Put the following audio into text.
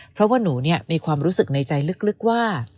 เพราะว่าหนูมีความรู้สึกในใจลึกว่า